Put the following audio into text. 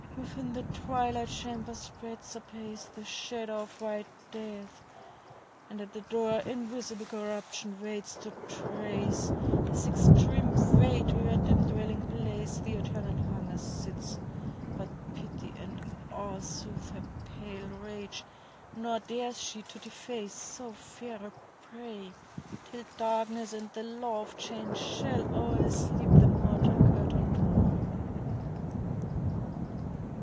Within the twilight chamber spreads apace The shadow of white Death, and at the door Invisible Corruption waits to trace His extreme way to her dim dwelling place; The eternal Hunger sits, but pity and awe Soothe her pale rage, nor dares she to deface So fair a prey, till darkness and the law Of change shall o'er his sleep the mortal curtain draw."